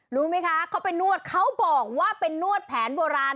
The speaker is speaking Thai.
รู้ไหมคะเขาไปนวดเขาบอกว่าเป็นนวดแผนโบราณ